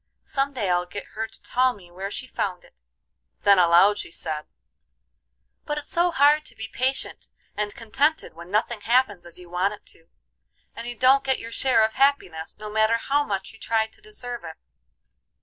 Some day I'll get her to tell me where she found it." Then aloud she said: "But it's so hard to be patient and contented when nothing happens as you want it to, and you don't get your share of happiness, no matter how much you try to deserve it."